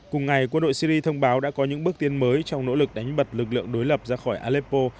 cùng ngày quân đội syri thông báo đã có những bước tiến mới trong nỗ lực đánh bật lực lượng đối lập ra khỏi aleppo